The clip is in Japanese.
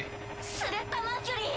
スレッタ・マーキュリー！